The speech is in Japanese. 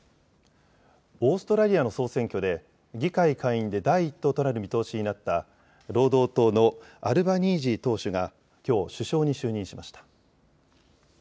オーストラリアの総選挙で議会下院で第１党となる見通しになった労働党のアルバニージー党首がきょう首相に就任しました。